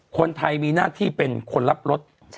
คนไทยมีหน้าที่เป็นคนรับรถ